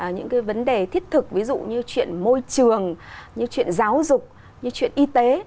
những cái vấn đề thiết thực ví dụ như chuyện môi trường như chuyện giáo dục như chuyện y tế